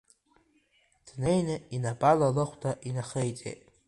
Днеины инапала лыхәда инахеиҵеит.